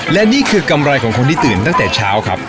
และนี่คือกำไรของคนที่ตื่นตั้งแต่เช้าครับ